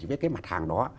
với cái mặt hàng đó